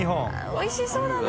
おいしそうだな。